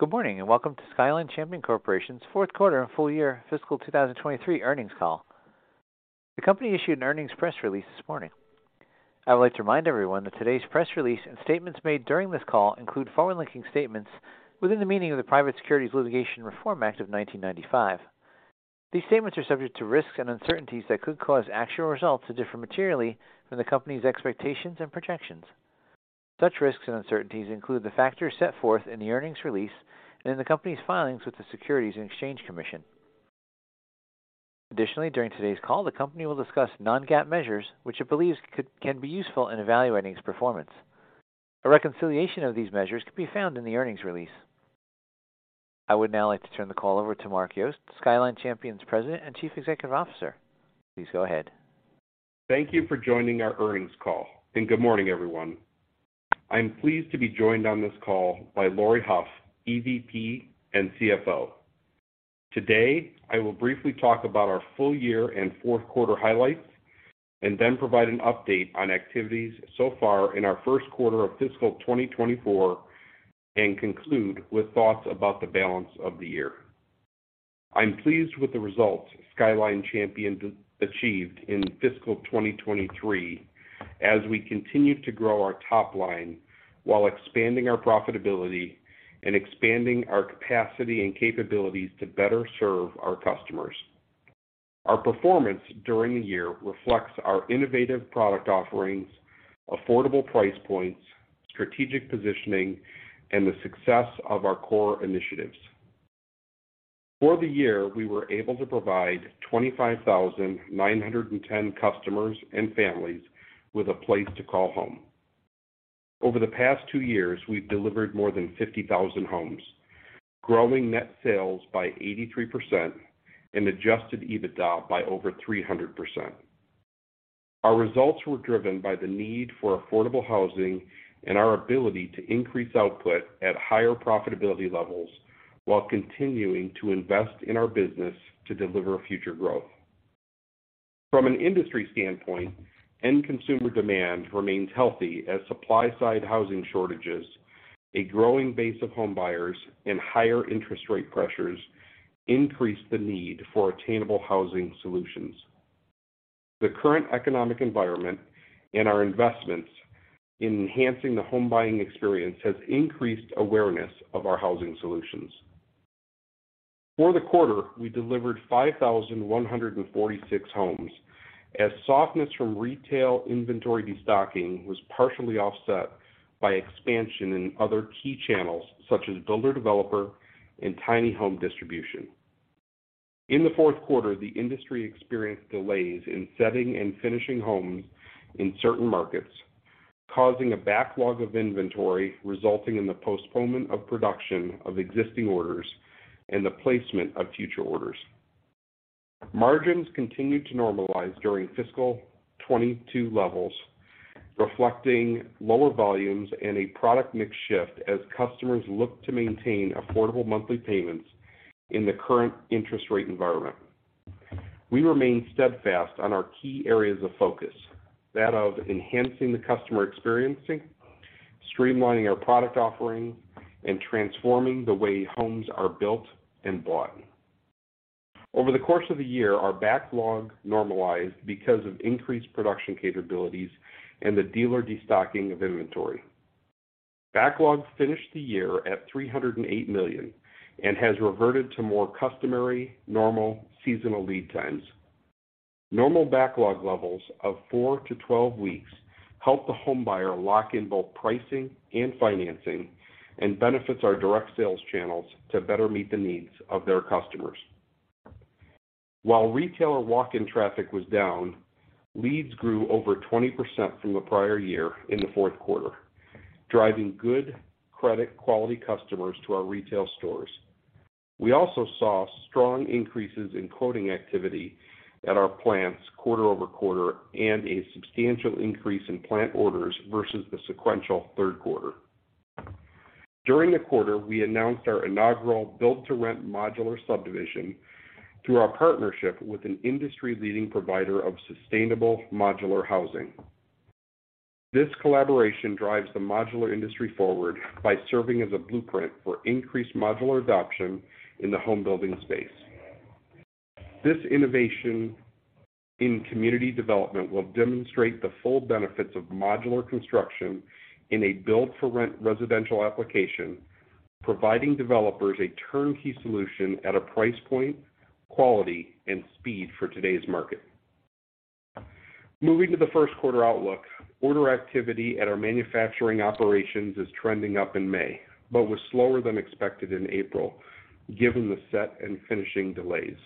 Good morning, welcome to Skyline Champion Corporation's Q4 and full year fiscal 2023 earnings call. The company issued an earnings press release this morning. I would like to remind everyone that today's press release and statements made during this call include forward-looking statements within the meaning of the Private Securities Litigation Reform Act of 1995. These statements are subject to risks and uncertainties that could cause actual results to differ materially from the company's expectations and projections. Such risks and uncertainties include the factors set forth in the earnings release and in the company's filings with the Securities and Exchange Commission. Additionally, during today's call, the company will discuss non-GAAP measures, which it believes can be useful in evaluating its performance. A reconciliation of these measures can be found in the earnings release. I would now like to turn the call over to Mark Yost, Skyline Champion's President and Chief Executive Officer. Please go ahead. Thank you for joining our earnings call. Good morning, everyone. I'm pleased to be joined on this call by Laurie Hough, Executive Vice President and Chief Financial Officer. Today, I will briefly talk about our full year and Q4 highlights, and then provide an update on activities so far in our Q1 of fiscal 2024, and conclude with thoughts about the balance of the year. I'm pleased with the results Skyline Champion achieved in fiscal 2023 as we continue to grow our top line while expanding our profitability and expanding our capacity and capabilities to better serve our customers. Our performance during the year reflects our innovative product offerings, affordable price points, strategic positioning, and the success of our core initiatives. For the year, we were able to provide 25,910 customers and families with a place to call home. Over the past two years, we've delivered more than 50,000 homes, growing net sales by 83% and adjusted EBITDA by over 300%. Our results were driven by the need for affordable housing and our ability to increase output at higher profitability levels while continuing to invest in our business to deliver future growth. From an industry standpoint, end consumer demand remains healthy as supply-side housing shortages, a growing base of home buyers, and higher interest rate pressures increase the need for attainable housing solutions. The current economic environment and our investments in enhancing the home buying experience has increased awareness of our housing solutions. For the quarter, we delivered 5,146 homes, as softness from retail inventory destocking was partially offset by expansion in other key channels, such as builder-developer and tiny home distribution. In the Q4, the industry experienced delays in setting and finishing homes in certain markets, causing a backlog of inventory, resulting in the postponement of production of existing orders and the placement of future orders. Margins continued to normalize during fiscal 2022 levels, reflecting lower volumes and a product mix shift as customers look to maintain affordable monthly payments in the current interest rate environment. We remain steadfast on our key areas of focus, that of enhancing the customer experience, streamlining our product offering, and transforming the way homes are built and bought. Over the course of the year, our backlog normalized because of increased production capabilities and the dealer destocking of inventory. Backlog finished the year at $308 million and has reverted to more customary, normal seasonal lead times. Normal backlog levels of 4-12 weeks help the homebuyer lock in both pricing and financing and benefits our direct sales channels to better meet the needs of their customers. While retailer walk-in traffic was down, leads grew over 20% from the prior year in the fourth quarter, driving good credit quality customers to our retail stores. We also saw strong increases in quoting activity at our plants quarter-over-quarter and a substantial increase in plant orders versus the sequential third quarter. During the quarter, we announced our inaugural Built to Rent modular subdivision through our partnership with an industry-leading provider of sustainable modular housing. This collaboration drives the modular industry forward by serving as a blueprint for increased modular adoption in the home building space. This innovation in community development will demonstrate the full benefits of modular construction in a build-for-rent residential application, providing developers a turnkey solution at a price point, quality, and speed for today's market. Moving to the Q1 outlook. Order activity at our manufacturing operations is trending up in May, but was slower than expected in April, given the set and finishing delays.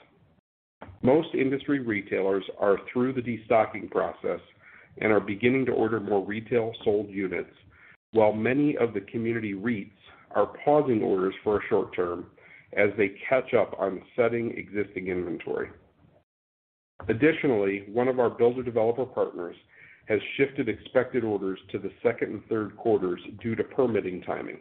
Most industry retailers are through the destocking process and are beginning to order more retail sold units, while many of the community REITs are pausing orders for a short term as they catch up on setting existing inventory. Additionally, one of our builder-developer partners has shifted expected orders to the second and Q3s due to permitting timing.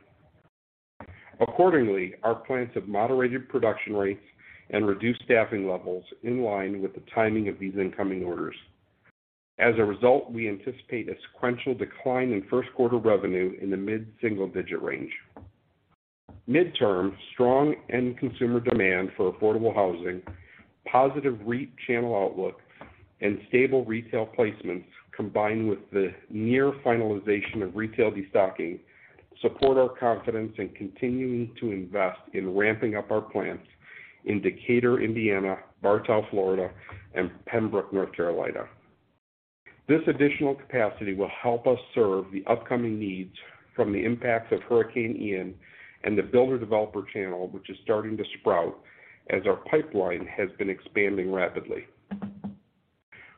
Accordingly, our plants have moderated production rates and reduced staffing levels in line with the timing of these incoming orders. As a result, we anticipate a sequential decline in Q1 revenue in the mid-single digit range. Mid-term, strong end consumer demand for affordable housing, positive REIT channel outlook, and stable retail placements, combined with the near finalization of retail destocking, support our confidence in continuing to invest in ramping up our plants in Decatur, Indiana, Bartow, Florida, and Pembroke, North Carolina. This additional capacity will help us serve the upcoming needs from the impacts of Hurricane Ian and the builder-developer channel, which is starting to sprout as our pipeline has been expanding rapidly.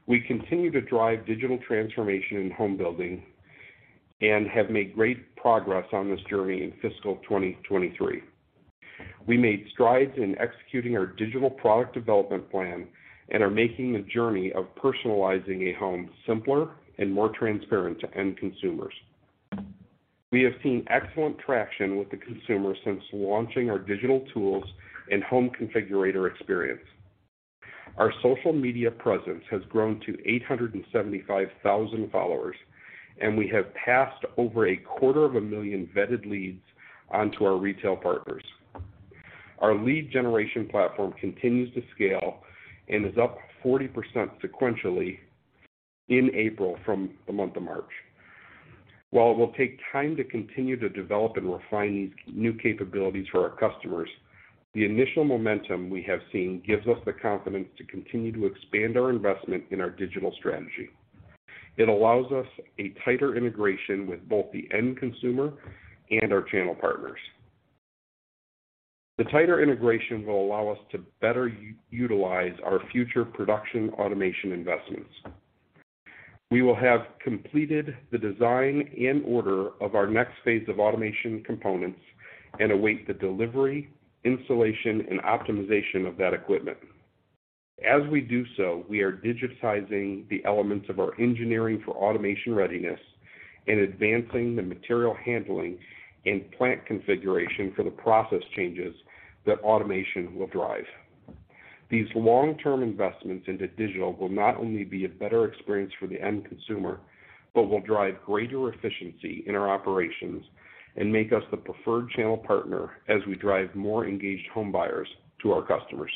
We continue to drive digital transformation in home building and have made great progress on this journey in fiscal 2023. We made strides in executing our digital product development plan and are making the journey of personalizing a home simpler and more transparent to end consumers. We have seen excellent traction with the consumer since launching our digital tools and home configurator experience. Our social media presence has grown to 875,000 followers, and we have passed over a 250,000 vetted leads onto our retail partners. Our lead generation platform continues to scale and is up 40% sequentially in April from the month of March. While it will take time to continue to develop and refine these new capabilities for our customers, the initial momentum we have seen gives us the confidence to continue to expand our investment in our digital strategy. It allows us a tighter integration with both the end consumer and our channel partners. The tighter integration will allow us to better utilize our future production automation investments. We will have completed the design and order of our next phase of automation components and await the delivery, installation, and optimization of that equipment. As we do so, we are digitizing the elements of our engineering for automation readiness and advancing the material handling and plant configuration for the process changes that automation will drive. These long-term investments into digital will not only be a better experience for the end consumer, but will drive greater efficiency in our operations and make us the preferred channel partner as we drive more engaged home buyers to our customers.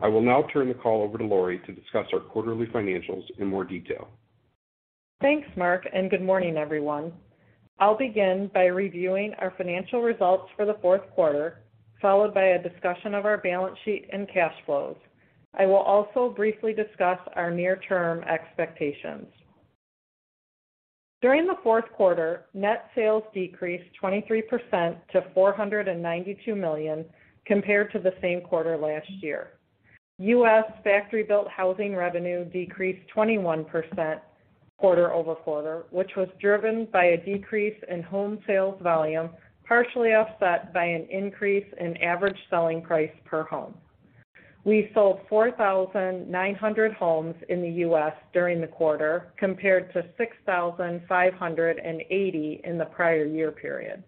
I will now turn the call over to Laurie to discuss our quarterly financials in more detail. Thanks, Mark, good morning, everyone. I'll begin by reviewing our financial results for the Q4, followed by a discussion of our balance sheet and cash flows. I will also briefly discuss our near-term expectations. During the Q4, net sales decreased 23% to $492 million compared to the same quarter last year. U.S. factory built housing revenue decreased 21% quarter-over-quarter, which was driven by a decrease in home sales volume, partially offset by an increase in average selling price per home. We sold 4,900 homes in the U.S. during the quarter, compared to 6,580 in the prior year period.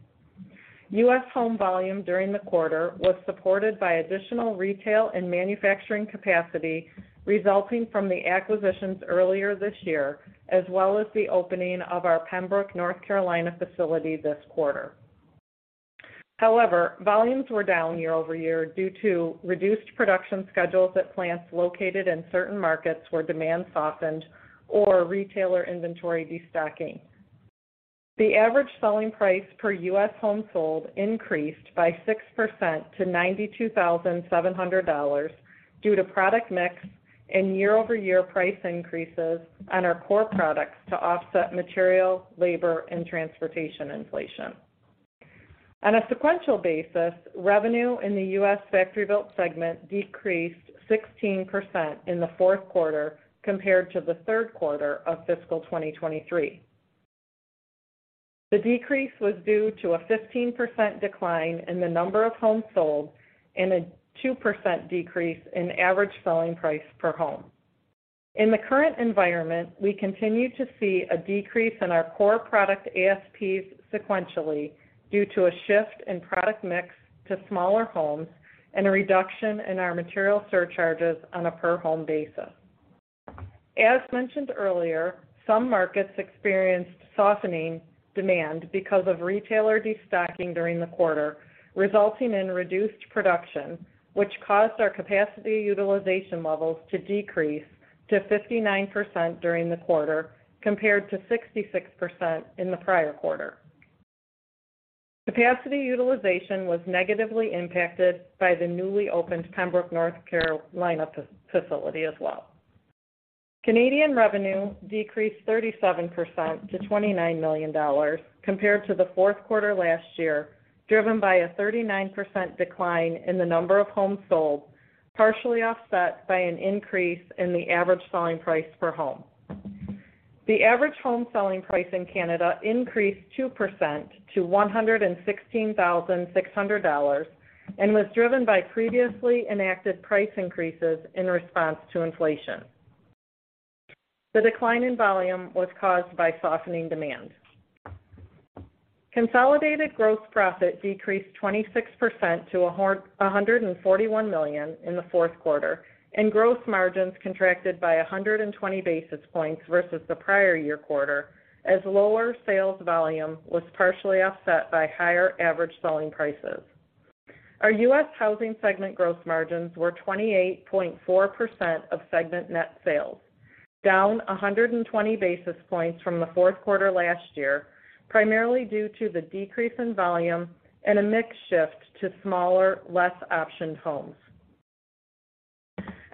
U.S. home volume during the quarter was supported by additional retail and manufacturing capacity, resulting from the acquisitions earlier this year, as well as the opening of our Pembroke, North Carolina, facility this quarter. However, volumes were down year-over-year due to reduced production schedules at plants located in certain markets where demand softened or retailer inventory destocking. The average selling price per U.S. home sold increased by 6% to $92,700 due to product mix and year-over-year price increases on our core products to offset material, labor, and transportation inflation. On a sequential basis, revenue in the U.S. factory built segment decreased 16% in the Q4 compared to the Q3 of fiscal 2023. The decrease was due to a 15% decline in the number of homes sold and a 2% decrease in average selling price per home. In the current environment, we continue to see a decrease in our core product ASPs sequentially due to a shift in product mix to smaller homes and a reduction in our material surcharges on a per-home basis. As mentioned earlier, some markets experienced softening demand because of retailer destocking during the quarter, resulting in reduced production, which caused our capacity utilization levels to decrease to 59% during the quarter, compared to 66% in the prior quarter. Capacity utilization was negatively impacted by the newly opened Pembroke, North Carolina, facility as well. Canadian revenue decreased 37% to $29 million compared to the Q4 last year, driven by a 39% decline in the number of homes sold, partially offset by an increase in the average selling price per home. The average home selling price in Canada increased 2% to 116,600 dollars and was driven by previously enacted price increases in response to inflation. The decline in volume was caused by softening demand. Consolidated gross profit decreased 26% to $141 million in the Q4, and gross margins contracted by 120 basis points versus the prior year quarter, as lower sales volume was partially offset by higher average selling prices. Our U.S. housing segment gross margins were 28.4% of segment net sales, down 120 basis points from the Q4 last year, primarily due to the decrease in volume and a mix shift to smaller, less optioned homes.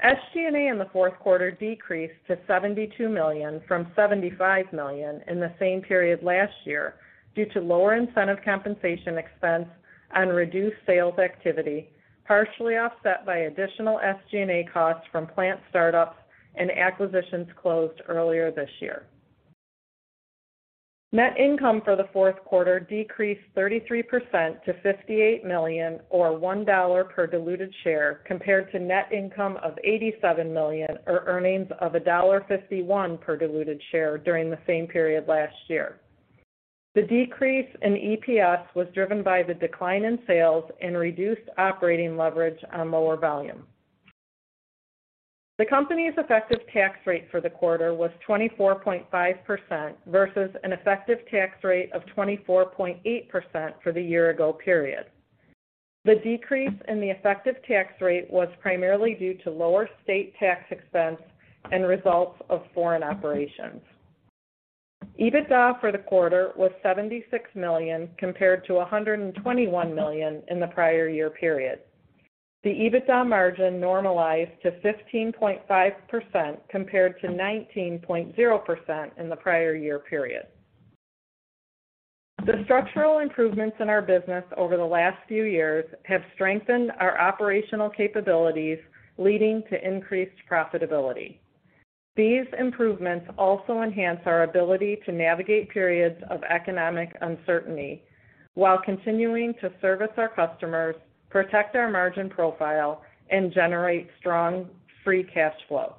SG&A in the Q4 decreased to $72 million from $75 million in the same period last year due to lower incentive compensation expense and reduced sales activity, partially offset by additional SG&A costs from plant startups and acquisitions closed earlier this year. Net income for the Q4 decreased 33% to $58 million, or $1.00 per diluted share, compared to net income of $87 million, or earnings of $1.51 per diluted share during the same period last year. The decrease in EPS was driven by the decline in sales and reduced operating leverage on lower volume. The company's effective tax rate for the quarter was 24.5% versus an effective tax rate of 24.8% for the year ago period. The decrease in the effective tax rate was primarily due to lower state tax expense and results of foreign operations. EBITDA for the quarter was $76 million, compared to $121 million in the prior year period. The EBITDA margin normalized to 15.5%, compared to 19.0% in the prior year period. The structural improvements in our business over the last few years have strengthened our operational capabilities, leading to increased profitability. These improvements also enhance our ability to navigate periods of economic uncertainty while continuing to service our customers, protect our margin profile, and generate strong free cash flow.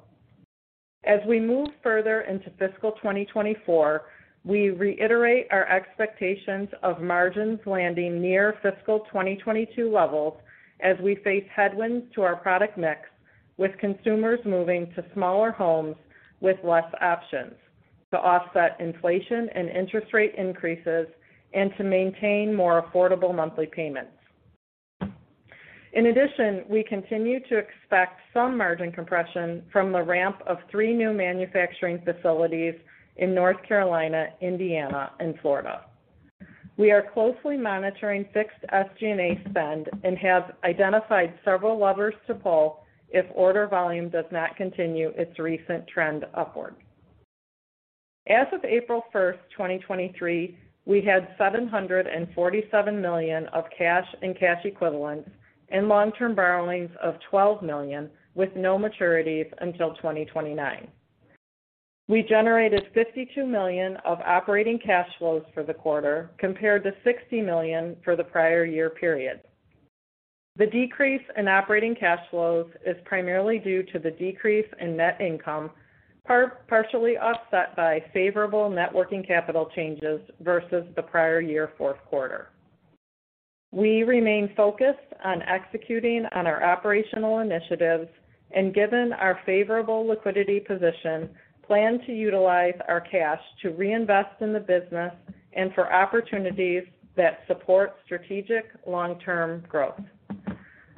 As we move further into fiscal 2024, we reiterate our expectations of margins landing near fiscal 2022 levels as we face headwinds to our product mix, with consumers moving to smaller homes with less options to offset inflation and interest rate increases, and to maintain more affordable monthly payments. In addition, we continue to expect some margin compression from the ramp of three new manufacturing facilities in North Carolina, Indiana, and Florida. We are closely monitoring fixed SG&A spend and have identified several levers to pull if order volume does not continue its recent trend upward. As of April 1, 2023, we had $747 million of cash and cash equivalents and long-term borrowings of $12 million, with no maturities until 2029. We generated $52 million of operating cash flows for the quarter, compared to $60 million for the prior year period. The decrease in operating cash flows is primarily due to the decrease in net income, partially offset by favorable networking capital changes versus the prior year Q4. We remain focused on executing on our operational initiatives and, given our favorable liquidity position, plan to utilize our cash to reinvest in the business and for opportunities that support strategic long-term growth.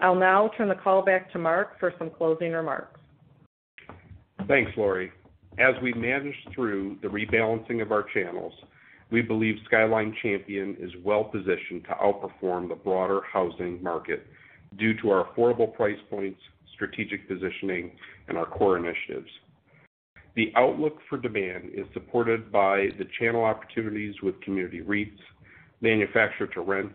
I'll now turn the call back to Mark for some closing remarks. Thanks, Laurie. As we manage through the rebalancing of our channels, we believe Skyline Champion is well positioned to outperform the broader housing market due to our affordable price points, strategic positioning, and our core initiatives. The outlook for demand is supported by the channel opportunities with community REITs, manufactured-to-rent,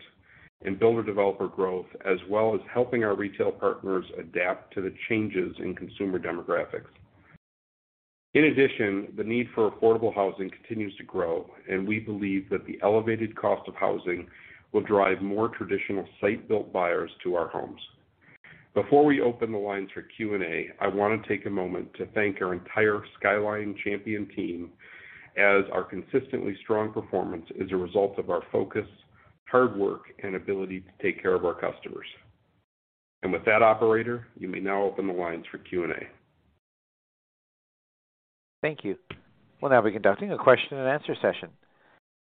and builder-developer growth, as well as helping our retail partners adapt to the changes in consumer demographics. In addition, the need for affordable housing continues to grow, and we believe that the elevated cost of housing will drive more traditional site-built buyers to our homes. Before we open the lines for Q&A, I want to take a moment to thank our entire Skyline Champion team, as our consistently strong performance is a result of our focus, hard work, and ability to take care of our customers. With that, operator, you may now open the lines for Q&A. Thank you. We'll now be conducting a Q&A session.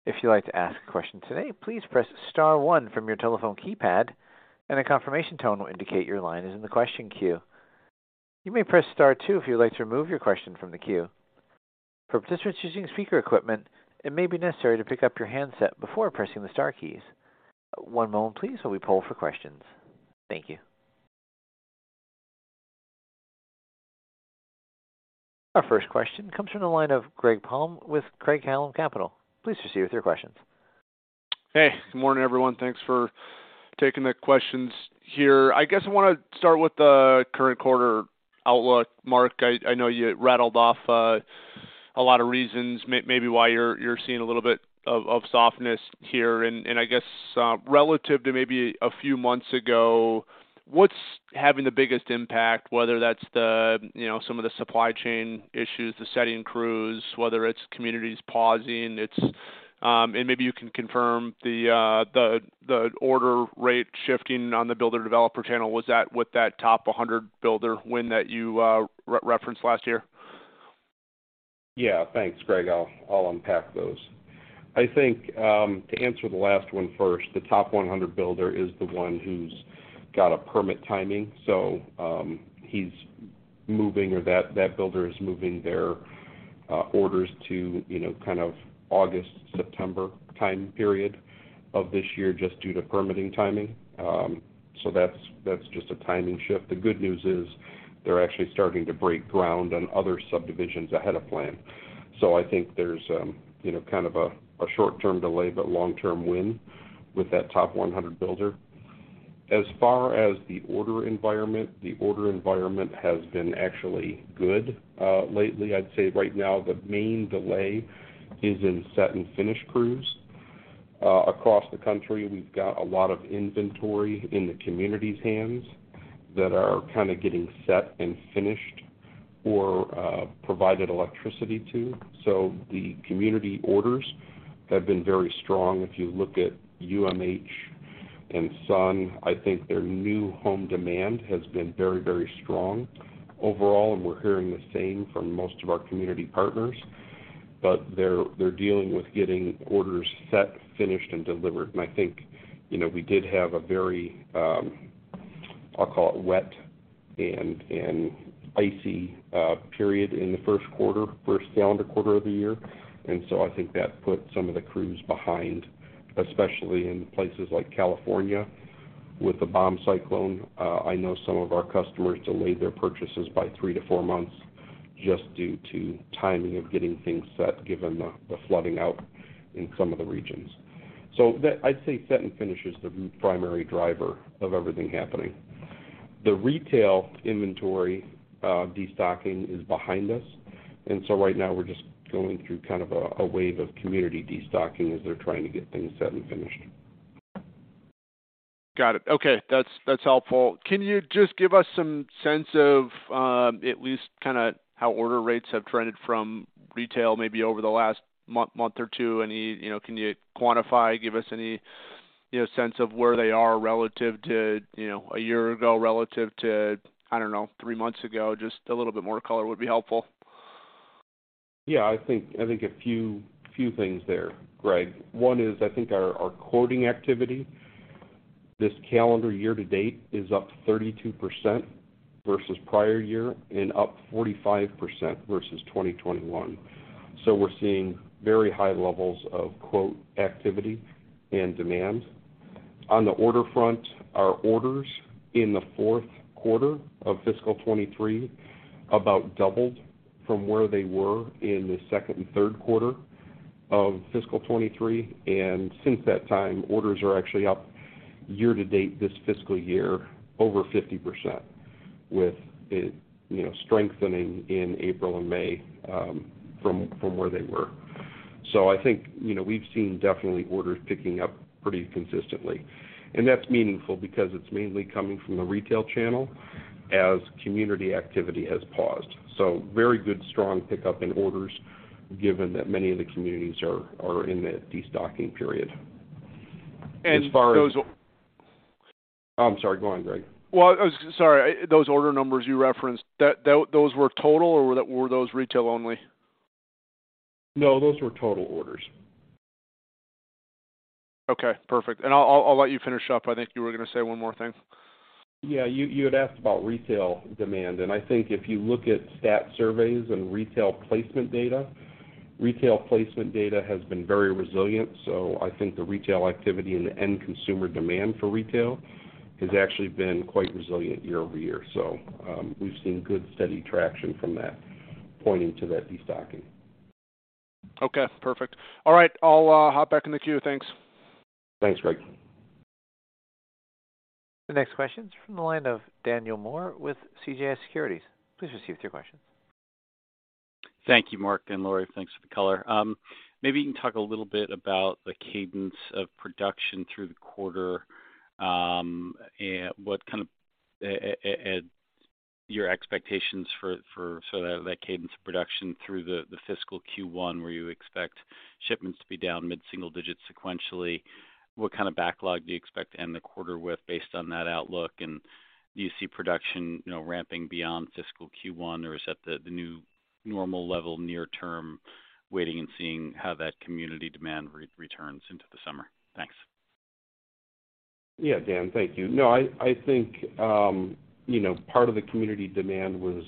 If you'd like to ask a question today, please press star one from your telephone keypad, and a confirmation tone will indicate your line is in the question queue. You may press star two if you'd like to remove your question from the queue. For participants using speaker equipment, it may be necessary to pick up your handset before pressing the star keys. One moment please while we pull for questions. Thank you. Our first question comes from the line of Greg Palm with Craig-Hallum Capital. Please proceed with your questions. Hey, good morning, everyone. Thanks for taking the questions here. I guess I want to start with the current quarter outlook. Mark, I know you rattled off a lot of reasons, maybe why you're seeing a little bit of softness here. I guess relative to maybe a few months ago, what's having the biggest impact, whether that's the, you know, some of the supply chain issues, the setting crews, whether it's communities pausing, and maybe you can confirm the order rate shifting on the builder developer channel? Was that with that top 100 builder win that you referenced last year? Thanks, Greg. I'll unpack those. I think, to answer the last one first, the top 100 builder is the one who's got a permit timing. He's moving or that builder is moving their orders to, you know, kind of August, September time period of this year, just due to permitting timing. That's just a timing shift. The good news is, they're actually starting to break ground on other subdivisions ahead of plan. I think there's, you know, kind of a short-term delay, but long-term win with that top 100 builder. As far as the order environment, the order environment has been actually good lately. I'd say right now, the main delay is in set and finish crews. Across the country, we've got a lot of inventory in the community's hands that are kind of getting set and finished or provided electricity to. The community orders have been very strong. If you look at UMH and Sun, I think their new home demand has been very, very strong overall, and we're hearing the same from most of our community partners, but they're dealing with getting orders set, finished, and delivered. I think, you know, we did have a very, I'll call it wet and icy period in the Q1, first calendar quarter of the year, and I think that put some of the crews behind, especially in places like California with the bomb cyclone. I know some of our customers delayed their purchases by three to four months just due to timing of getting things set, given the flooding out in some of the regions. I'd say set and finish is the primary driver of everything happening. The retail inventory destocking is behind us. Right now we're just going through kind of a wave of community destocking as they're trying to get things set and finished. Got it. Okay, that's helpful. Can you just give us some sense of, at least kinda how order rates have trended from retail, maybe over the last month or two? You know, can you quantify, give us any, you know, sense of where they are relative to, you know, a year ago, relative to, I don't know, three months ago? Just a little bit more color would be helpful. I think a few things there, Greg Palm. One is, I think our quoting activity this calendar year to date is up 32% versus prior year and up 45% versus 2021. We're seeing very high levels of quote activity and demand. On the order front, our orders in the fourth quarter of fiscal 2023 about doubled from where they were in the second and third quarter of fiscal 2023, and since that time, orders are actually up year-to-dat this fiscal year, over 50%, with it, you know, strengthening in April and May from where they were. I think, you know, we've seen definitely orders picking up pretty consistently, and that's meaningful because it's mainly coming from the retail channel as community activity has paused. Very good, strong pickup in orders, given that many of the communities are in that destocking period. And those- I'm sorry, go ahead, Greg. Well, sorry, I, those order numbers you referenced, that those were total or were those retail only? No, those were total orders. Okay, perfect. I'll let you finish up. I think you were gonna say one more thing. Yeah, you had asked about retail demand. I think if you look at Stat Surveys and retail placement data, retail placement data has been very resilient. I think the retail activity and the end consumer demand for retail has actually been quite resilient year-over-year. We've seen good, steady traction from that, pointing to that destocking. Okay, perfect. All right, I'll hop back in the queue. Thanks. Thanks, Greg. The next question is from the line of Daniel Moore with CJS Securities. Please proceed with your question. Thank you, Mark and Laurie. Thanks for the color. Maybe you can talk a little bit about the cadence of production through the quarter, and what kind of and your expectations for that cadence of production through the fiscal Q1, where you expect shipments to be down mid-single digits sequentially. What kind of backlog do you expect to end the quarter with based on that outlook? Do you see production, you know, ramping beyond fiscal Q1, or is that the new normal level near term, waiting and seeing how that community demand returns into the summer? Thanks. Yeah, Dan. Thank you. I think, you know, part of the community demand was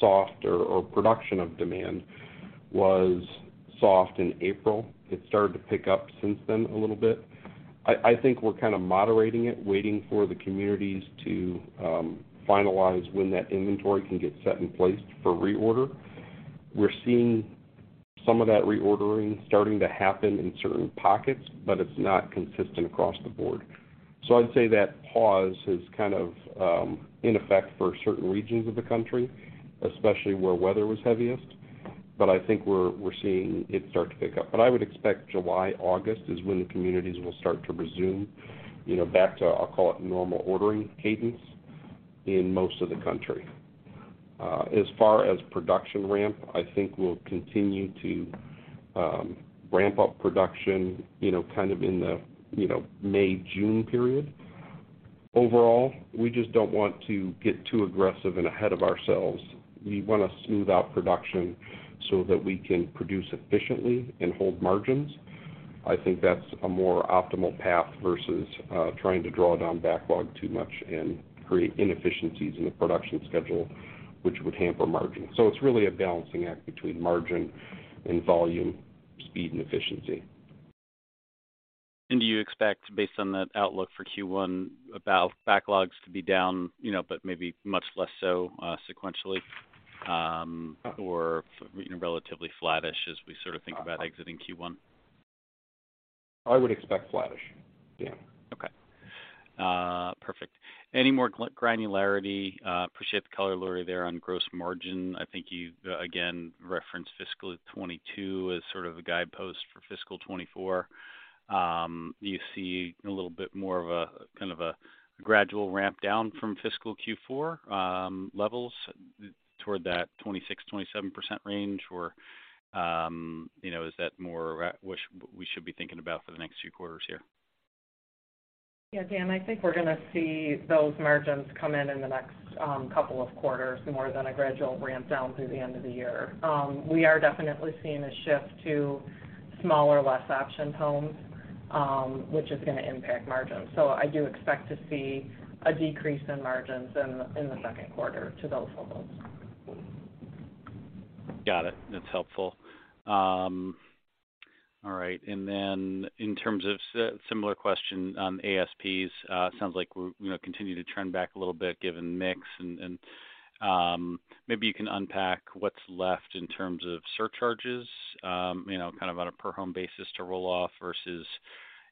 soft or production of demand was soft in April. It started to pick up since then a little bit. I think we're kind of moderating it, waiting for the communities to finalize when that inventory can get set in place for reorder. We're seeing some of that reordering starting to happen in certain pockets, but it's not consistent across the board. I'd say that pause is kind of in effect for certain regions of the country, especially where weather was heaviest, but I think we're seeing it start to pick up. I would expect July, August is when the communities will start to resume, you know, back to, I'll call it, normal ordering cadence in most of the country. As far as production ramp, I think we'll continue to ramp up production, you know, kind of in the, you know, May, June period. Overall, we just don't want to get too aggressive and ahead of ourselves. We want to smooth out production so that we can produce efficiently and hold margins. I think that's a more optimal path versus trying to draw down backlog too much and create inefficiencies in the production schedule, which would hamper margins. It's really a balancing act between margin and volume, speed and efficiency. Do you expect, based on that outlook for Q1, about backlogs to be down, you know, but maybe much less so, sequentially, or, you know, relatively flattish as we sort of think about exiting Q1? I would expect flattish, Dan. Okay, perfect. Any more granularity? Appreciate the color, Laurie, there on gross margin. I think you, again, referenced fiscal 2022 as sort of a guidepost for fiscal 2024. Do you see a little bit more of a, kind of a gradual ramp down from fiscal Q4 levels toward that 26%-27% range? You know, is that more what we should be thinking about for the next few quarters here? Yeah, Dan, I think we're going to see those margins come in in the next couple of quarters more than a gradual ramp down through the end of the year. We are definitely seeing a shift to smaller, less optioned homes, which is going to impact margins. I do expect to see a decrease in margins in the Q2 to those levels. Got it. That's helpful. All right, and then in terms of similar question on ASPs, sounds like we're, you know, continue to trend back a little bit given mix. Maybe you can unpack what's left in terms of surcharges, you know, kind of on a per-home basis to roll off versus,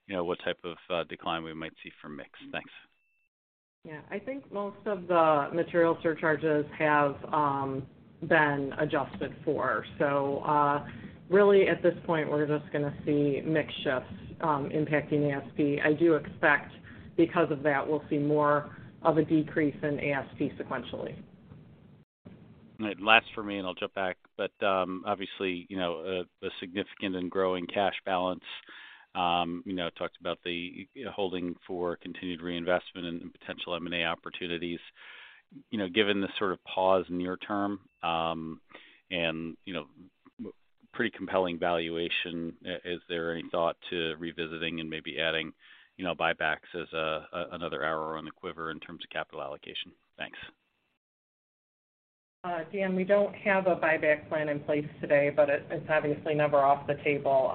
you know, what type of, decline we might see from mix. Thanks. Yeah. I think most of the material surcharges have been adjusted for. Really, at this point, we're just gonna see mix shifts impacting ASP. I do expect, because of that, we'll see more of a decrease in ASP sequentially. Last for me, and I'll jump back, but, obviously, you know, a significant and growing cash balance. You know, talked about the holding for continued reinvestment and potential M&A opportunities. You know, given the sort of pause near term, and, you know, pretty compelling valuation, is there any thought to revisiting and maybe adding, you know, buybacks as another arrow on the quiver in terms of capital allocation? Thanks. Dan, we don't have a buyback plan in place today, but it's obviously never off the table.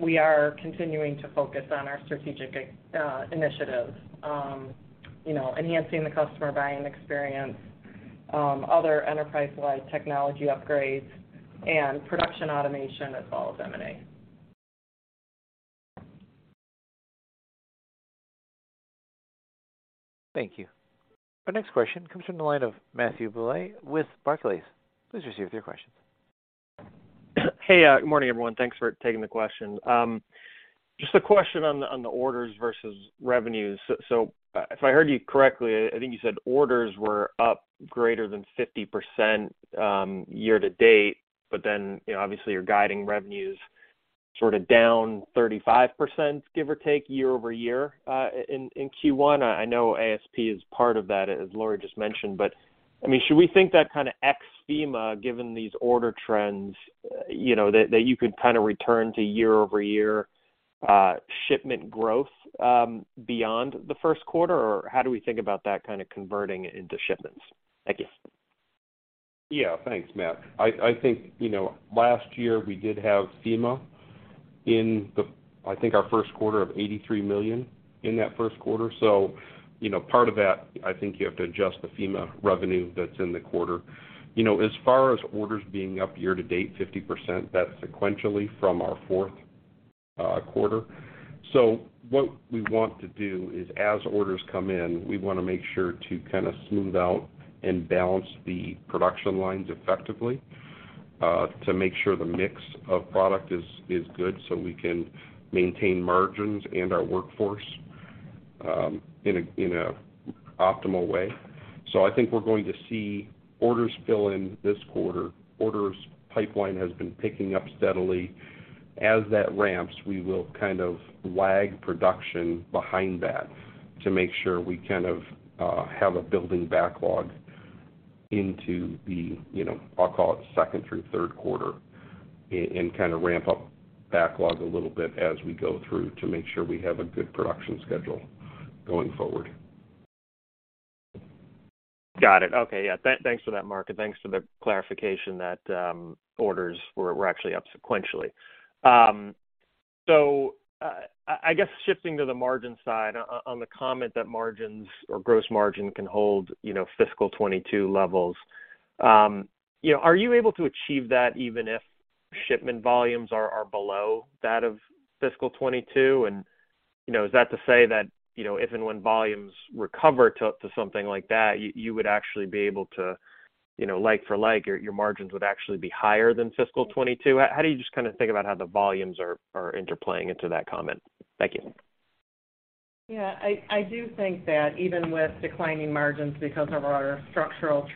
We are continuing to focus on our strategic initiatives, you know, enhancing the customer buying experience, other enterprise-wide technology upgrades and production automation, as well as M&A. Thank you. Our next question comes from the line of Matthew Bouley with Barclays. Please proceed with your questions. Hey, good morning, everyone. Thanks for taking the question. Just a question on the orders versus revenues. If I heard you correctly, I think you said orders were up greater than 50%, year to date, but then, you know, obviously, you're guiding revenues sort of down 35%, give or take, year-over-year, in Q1. I know ASP is part of that, as Laurie just mentioned. I mean, should we think that kind of ex FEMA, given these order trends, you know, that you could kind of return to year-over-year shipment growth beyond the Q1? How do we think about that kind of converting into shipments? Thank you. Yeah. Thanks, Matt. I think, you know, last year we did have FEMA in the I think our Q1 of $83 million in that Q1. You know, part of that, I think you have to adjust the FEMA revenue that's in the quarter. You know, as far as orders being up year to date, 50%, that's sequentially from our Q4. What we want to do is, as orders come in, we want to make sure to kind of smooth out and balance the production lines effectively, to make sure the mix of product is good, so we can maintain margins and our workforce, in a optimal way. I think we're going to see orders fill in this quarter. Orders pipeline has been picking up steadily. As that ramps, we will kind of lag production behind that to make sure we kind of, have a building backlog into the, you know, I'll call it second through Q3, and kind of ramp up backlog a little bit as we go through to make sure we have a good production schedule going forward. Got it. Okay. Yeah, thanks for that, Mark, and thanks for the clarification that orders were actually up sequentially. So, I guess shifting to the margin side, on the comment that margins or gross margin can hold, you know, fiscal 2022 levels, you know, are you able to achieve that even if shipment volumes are below that of fiscal 2022? You know, is that to say that, you know, if and when volumes recover to something like that, you would actually be able to, you know, like for like, your margins would actually be higher than fiscal 2022? How do you just kind of think about how the volumes are interplaying into that comment? Thank you. Yeah, I do think that even with declining margins because of our structural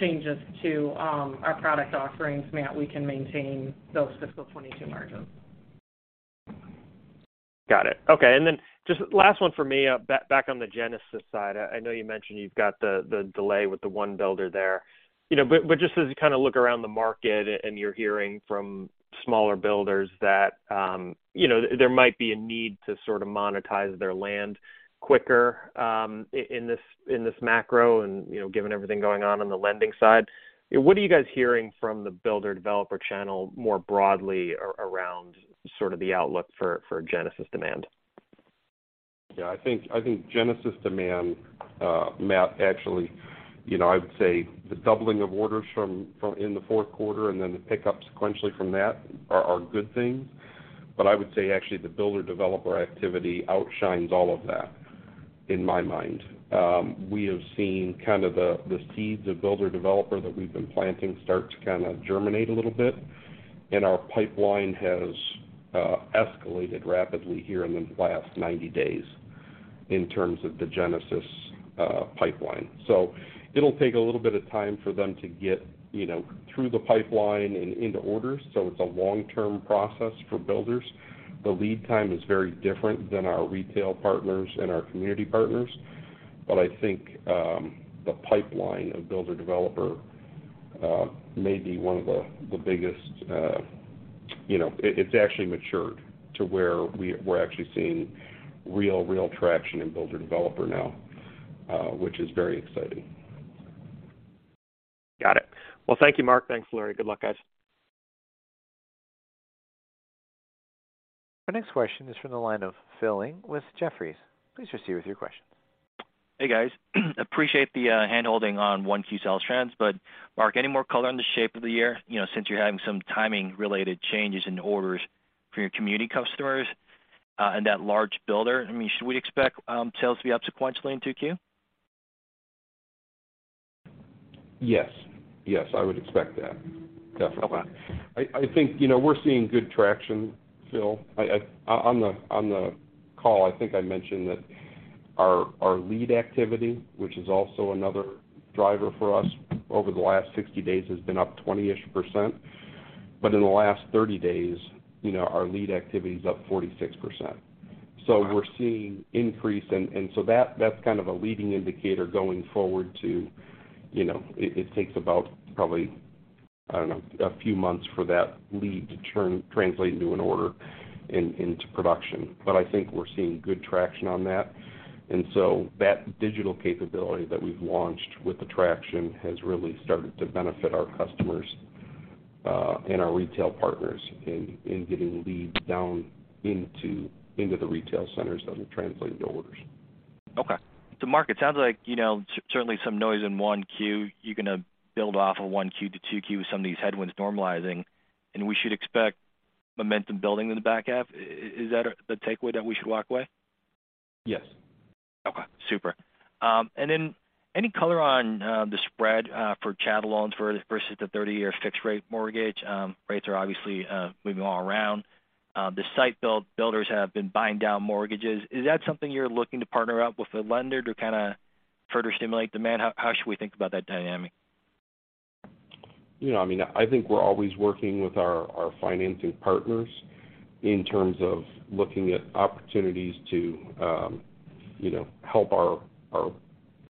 changes to, our product offerings, Matt, we can maintain those fiscal 2022 margins. Got it. Okay. Just last one for me. Back on the Genesis side, I know you mentioned you've got the delay with the one builder there. You know, but just as you kind of look around the market, and you're hearing from smaller builders that, you know, there might be a need to sort of monetize their land quicker, in this, in this macro, and, you know, given everything going on on the lending side, what are you guys hearing from the builder developer channel more broadly around sort of the outlook for Genesis demand? Yeah, I think, I think Genesis demand, Matt, actually, you know, I would say the doubling of orders from in the Q4, and then the pickup sequentially from that are good things. I would say actually, the builder developer activity outshines all of that, in my mind. We have seen kind of the seeds of builder developer that we've been planting start to kind of germinate a little bit, and our pipeline has escalated rapidly here in the last 90 days in terms of the Genesis pipeline. It'll take a little bit of time for them to get, you know, through the pipeline and into orders, so it's a long-term process for builders. The lead time is very different than our retail partners and our community partners, but I think the pipeline of builder developer may be one of the biggest. It's actually matured to where we're actually seeing real traction in builder developer now, which is very exciting. Got it. Well, thank you, Mark. Thanks, Laurie. Good luck, guys. Our next question is from the line of Phil Ng with Jefferies. Please proceed with your questions. Hey, guys. Appreciate the handholding on 1Q sales trends. Mark, any more color on the shape of the year? You know, since you're having some timing-related changes in orders for your community customers, and that large builder. I mean, should we expect sales to be up sequentially in 2Q? Yes. Yes, I would expect that, definitely. Okay. I think, you know, we're seeing good traction, Phil. I, on the call, I think I mentioned that our lead activity, which is also another driver for us over the last 60 days, has been up 20-ish%. In the last 30 days, you know, our lead activity is up 46%. Wow. We're seeing increase, and so that's kind of a leading indicator going forward, you know. It takes about probably, I don't know, a few months for that lead to translate into an order into production. I think we're seeing good traction on that. That digital capability that we've launched with the traction has really started to benefit our customers and our retail partners in getting leads down into the retail centers that we translate into orders. Okay. Mark, it sounds like, you know, certainly some noise in 1Q. You're going to build off of 1Q to 2Q with some of these headwinds normalizing, and we should expect momentum building in the back half. Is that the takeaway that we should walk away? Yes. Okay, super. Then any color on the spread for channel loans for versus the 30-year fixed rate mortgage? Rates are obviously moving all around. The site builders have been buying down mortgages. Is that something you're looking to partner up with a lender to kind of further stimulate demand? How should we think about that dynamic? You know, I mean, I think we're always working with our financing partners in terms of looking at opportunities to, you know, help our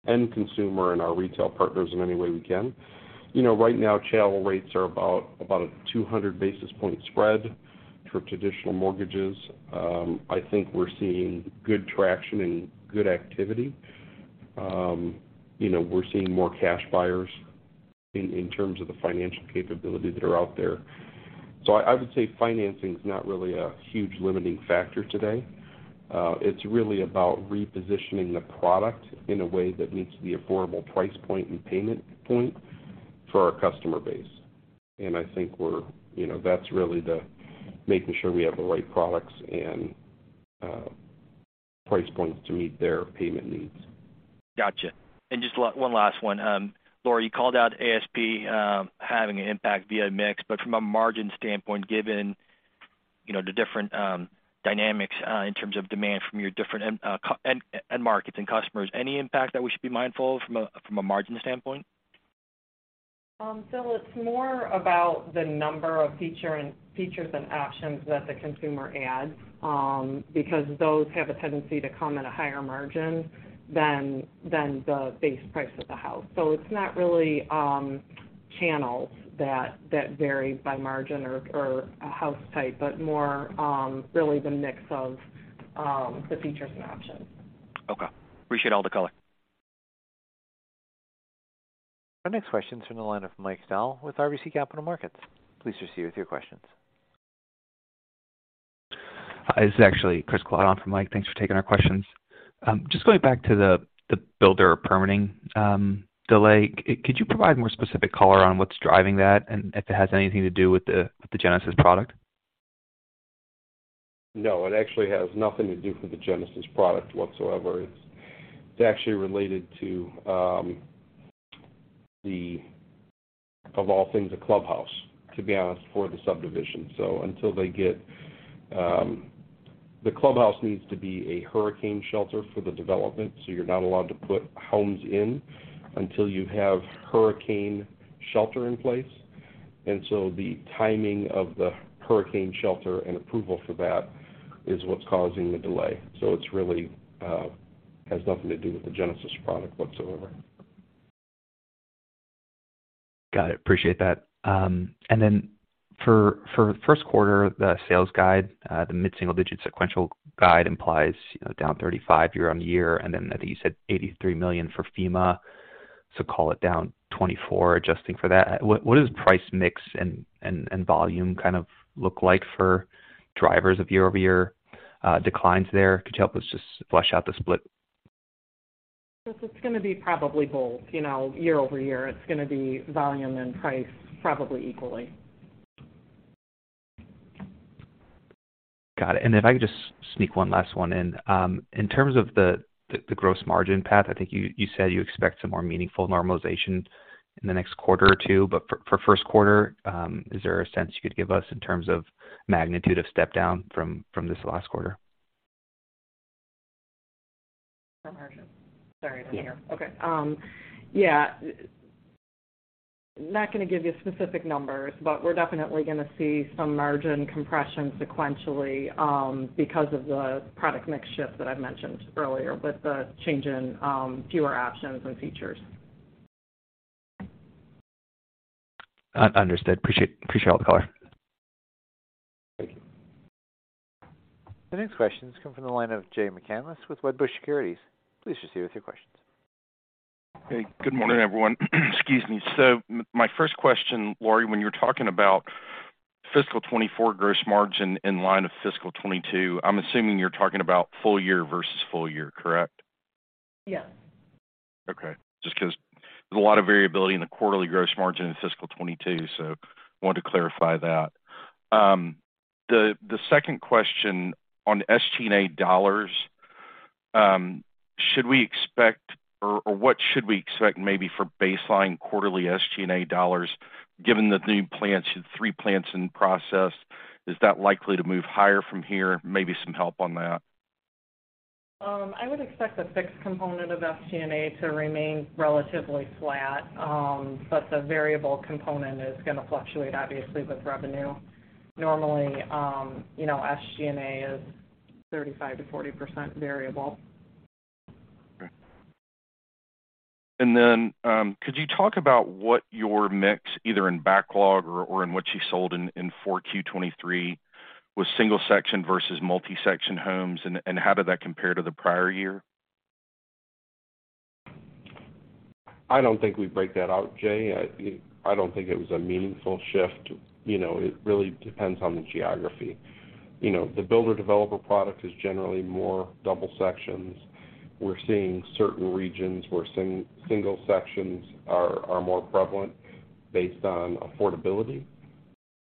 end consumer and our retail partners in any way we can. You know, right now, channel rates are about a 200 basis point spread for traditional mortgages. I think we're seeing good traction and good activity. You know, we're seeing more cash buyers in terms of the financial capability that are out there. I would say financing is not really a huge limiting factor today. It's really about repositioning the product in a way that meets the affordable price point and payment point for our customer base. I think we're, you know, that's really the making sure we have the right products and price points to meet their payment needs. Gotcha. Just one last one. Laurie, you called out ASP having an impact via mix, but from a margin standpoint, given, you know, the different dynamics in terms of demand from your different end markets and customers, any impact that we should be mindful of from a, from a margin standpoint? Phil, it's more about the number of features and options that the consumer adds, because those have a tendency to come at a higher margin than the base price of the house. It's not really, channels that vary by margin or a house type, but more, really the mix of the features and options. Okay. Appreciate all the color. Our next question is from the line of Mike Dahl with RBC Capital Markets. Please proceed with your questions. Hi, this is actually Chris Kalata for Mike. Thanks for taking our questions. Just going back to the builder permitting delay, could you provide more specific color on what's driving that and if it has anything to do with the Genesis product? No, it actually has nothing to do with the Genesis product whatsoever. It's actually related to, of all things, a clubhouse, to be honest, for the subdivision. Until they get, the clubhouse needs to be a hurricane shelter for the development, so you're not allowed to put homes in until you have hurricane shelter in place. The timing of the hurricane shelter and approval for that is what's causing the delay. It's really has nothing to do with the Genesis product whatsoever. Got it. Appreciate that. Then for Q1, the sales guide, the mid-single-digit sequential guide implies, you know, down 35% year-over-year, and then I think you said $83 million for FEMA, so call it down 24%, adjusting for that. What is price mix and volume kind of look like for drivers of year-over-year declines there? Could you help us just flush out the split? This is gonna be probably both. You know, year-over-year, it's gonna be volume and price, probably equally. Got it. If I could just sneak one last one in. In terms of the gross margin path, I think you said you expect some more meaningful normalization in the next quarter or two, but for Q1, is there a sense you could give us in terms of magnitude of step down from this last quarter? From margin? Sorry, I didn't hear. Yeah. Okay. Yeah. Not gonna give you specific numbers, but we're definitely gonna see some margin compression sequentially, because of the product mix shift that I mentioned earlier, with the change in, fewer options and features. Understood. Appreciate all the color. Thank you. The next question is coming from the line of Jay McCanless with Wedbush Securities. Please proceed with your questions. Hey, good morning, everyone. Excuse me. My first question, Laurie, when you're talking about fiscal 2024 gross margin in line of fiscal 2022, I'm assuming you're talking about full year versus full year, correct? Yes. Okay. Just 'cause there's a lot of variability in the quarterly gross margin in fiscal 2022, wanted to clarify that. The second question on SG&A dollars, should we expect or what should we expect maybe for baseline quarterly SG&A dollars, given that the new plants, the three plants in process, is that likely to move higher from here? Maybe some help on that. I would expect the fixed component of SG&A to remain relatively flat, but the variable component is gonna fluctuate, obviously, with revenue. Normally, you know, SG&A is 35%-40% variable. Okay. Could you talk about what your mix, either in backlog or in what you sold in 4Q-2023, was single section versus multi-section homes, and how did that compare to the prior year? I don't think we break that out, Jay. I don't think it was a meaningful shift. You know, it really depends on the geography. You know, the builder-developer product is generally more double sections. We're seeing certain regions where single sections are more prevalent based on affordability,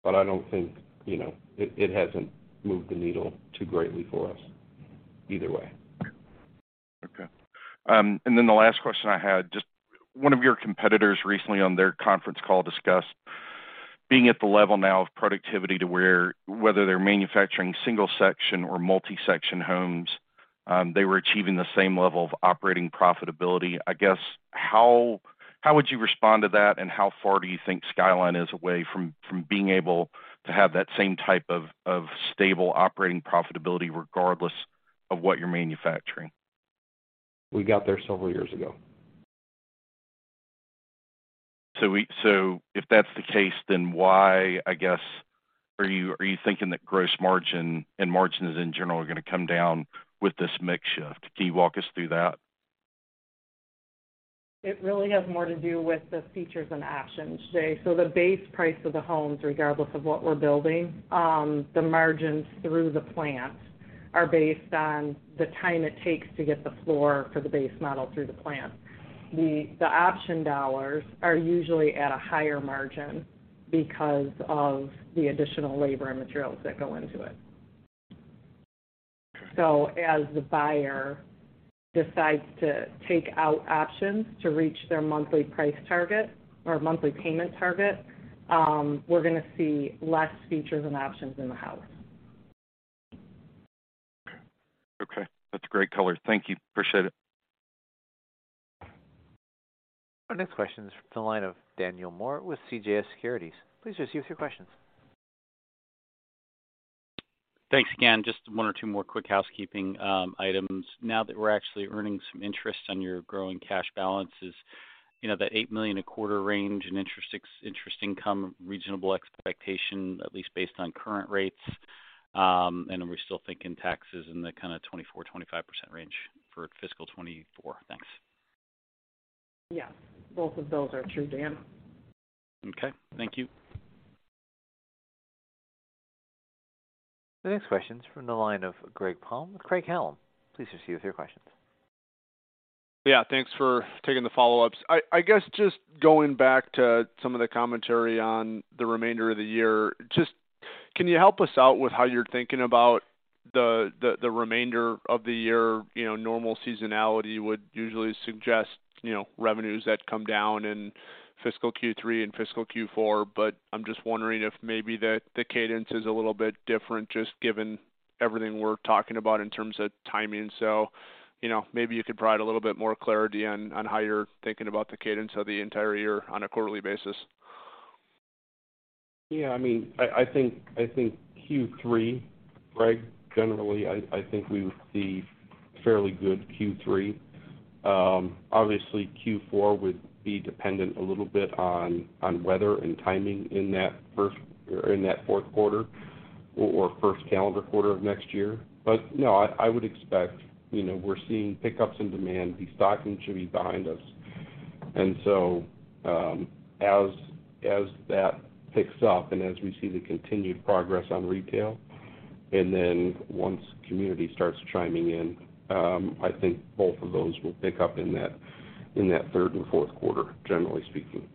but I don't think, you know. It hasn't moved the needle too greatly for us either way. The last question I had, one of your competitors recently on their conference call, discussed being at the level now of productivity to where, whether they're manufacturing single section or multi-section homes, they were achieving the same level of operating profitability. I guess, how would you respond to that, and how far do you think Skyline is away from being able to have that same type of stable operating profitability, regardless of what you're manufacturing? We got there several years ago. If that's the case, then why, I guess, are you thinking that gross margin and margins in general are gonna come down with this mix shift? Can you walk us through that? It really has more to do with the features and options, Jay. The base price of the homes, regardless of what we're building, the margins through the plants are based on the time it takes to get the floor for the base model through the plant. The option dollars are usually at a higher margin because of the additional labor and materials that go into it. As the buyer decides to take out options to reach their monthly price target or monthly payment target, we're gonna see less features and options in the house. Okay. That's a great color. Thank you. Appreciate it. Our next question is from the line of Daniel Moore with CJS Securities. Please proceed with your questions. Thanks again. Just one or two more quick housekeeping items. Now that we're actually earning some interest on your growing cash balances, you know, that $8 million a quarter range in interest income, reasonable expectation, at least based on current rates. Are we still thinking taxes in the kind of 24%-25% range for fiscal 2024? Thanks. Yeah, both of those are true, Dan. Okay, thank you. The next question is from the line of Greg Palm with Craig-Hallum. Please proceed with your questions. Yeah, thanks for taking the follow-ups. I guess just going back to some of the commentary on the remainder of the year, Can you help us out with how you're thinking about the remainder of the year? You know, normal seasonality would usually suggest, you know, revenues that come down in fiscal Q3 and fiscal Q4, but I'm just wondering if maybe the cadence is a little bit different, just given everything we're talking about in terms of timing. You know, maybe you could provide a little bit more clarity on how you're thinking about the cadence of the entire year on a quarterly basis. Yeah, I mean, I think Q3, Greg, generally, I think we would see fairly good Q3. Obviously, Q4 would be dependent a little bit on weather and timing in that or in that Q4, or first calendar quarter of next year. No, I would expect, you know, we're seeing pickups in demand. Destocking should be behind us. As that picks up and as we see the continued progress on retail, and then once community starts chiming in, I think both of those will pick up in that third and Q4, generally speaking.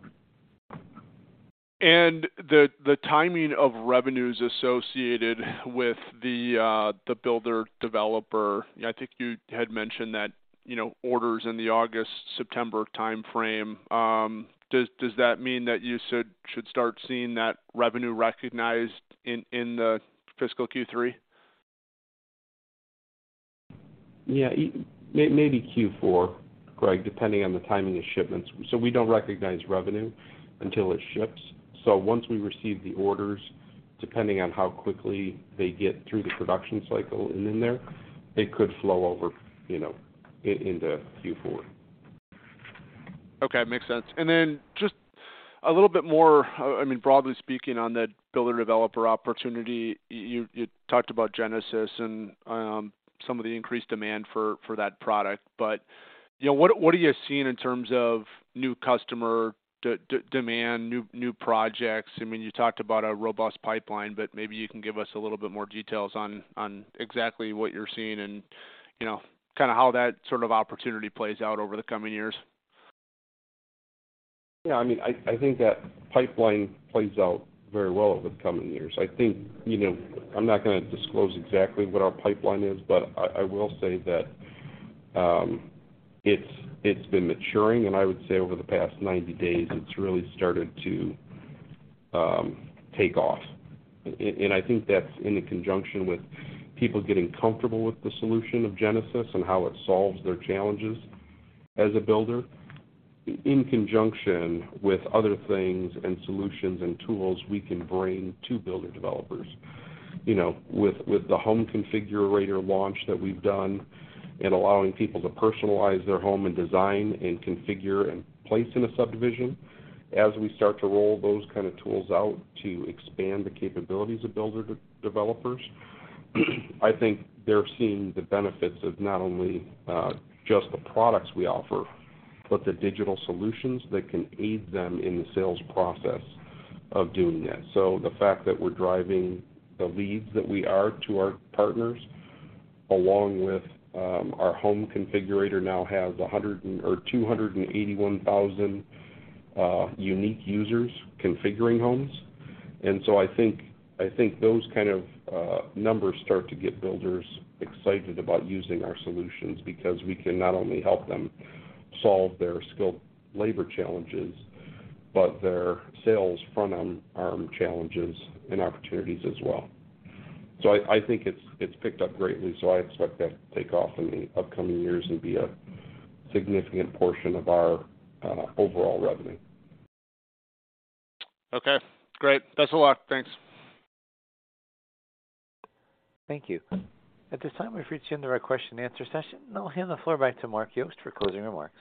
The timing of revenues associated with the builder developer, I think you had mentioned that, you know, orders in the August-September timeframe. Does that mean that you should start seeing that revenue recognized in the fiscal Q3? Yeah, maybe Q4, Greg, depending on the timing of shipments. We don't recognize revenue until it ships. Once we receive the orders, depending on how quickly they get through the production cycle and in there, it could flow over, you know, into Q4. Okay, makes sense. Just a little bit more, I mean, broadly speaking, on that builder developer opportunity, you talked about Genesis and some of the increased demand for that product. You know, what are you seeing in terms of new customer demand, new projects? I mean, you talked about a robust pipeline, but maybe you can give us a little bit more details on exactly what you're seeing and, you know, kind of how that sort of opportunity plays out over the coming years. Yeah, I mean, I think that pipeline plays out very well over the coming years. I think, you know, I'm not gonna disclose exactly what our pipeline is, but I will say that it's been maturing, and I would say over the past 90 days, it's really started to take off. I think that's in the conjunction with people getting comfortable with the solution of Genesis and how it solves their challenges as a builder, in conjunction with other things and solutions and tools we can bring to builder developers. You know, with the home configurator launch that we've done and allowing people to personalize their home and design and configure and place in a subdivision, as we start to roll those kind of tools out to expand the capabilities of builder developers, I think they're seeing the benefits of not only just the products we offer, but the digital solutions that can aid them in the sales process of doing that. The fact that we're driving the leads that we are to our partners, along with our home configurator now has 281,000 unique users configuring homes. I think those kind of numbers start to get builders excited about using our solutions, because we can not only help them solve their skilled labor challenges, but their sales front arm challenges and opportunities as well. I think it's picked up greatly, so I expect that to take off in the upcoming years and be a significant portion of our overall revenue. Okay, great. Thanks a lot. Thanks. Thank you. At this time, we've reached the end of our Q&A session. I'll hand the floor back to Mark Yost for closing remarks.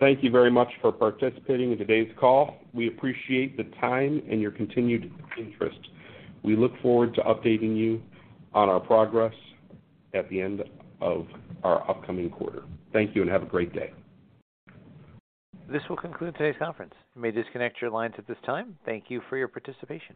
Thank you very much for participating in today's call. We appreciate the time and your continued interest. We look forward to updating you on our progress at the end of our upcoming quarter. Thank you, and have a great day. This will conclude today's conference. You may disconnect your lines at this time. Thank you for your participation.